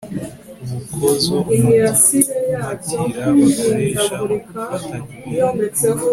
ubukozo umuti umatira bakoresha mu gufatanya ibintu